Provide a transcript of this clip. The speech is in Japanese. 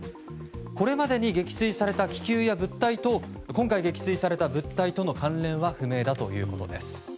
これまでに撃墜された気球や物体と今回撃墜された物体との関連は不明だということです。